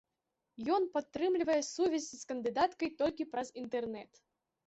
Ён падтрымлівае сувязь з кандыдаткай толькі праз інтэрнэт.